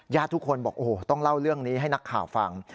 ทุกคนบอกโอ้โหต้องเล่าเรื่องนี้ให้นักข่าวฟัง